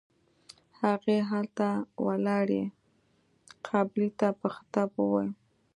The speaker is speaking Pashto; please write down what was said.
هغې هلته ولاړې قابلې ته په خطاب وويل.